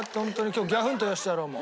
今日ギャフンと言わせてやろうもう。